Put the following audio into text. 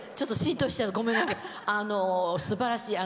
すばらしい。